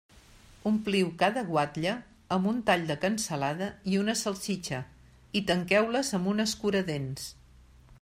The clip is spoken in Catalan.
Ompliu cada guatlla amb un tall de cansalada i una salsitxa i tanqueu-les amb un escuradents.